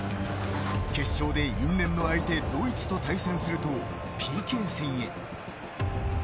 決勝で因縁の相手・ドイツと対戦するとＰＫ戦へ。